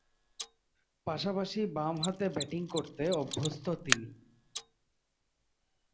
পাশাপাশি বামহাতে ব্যাটিং করতে অভ্যস্ত তিনি।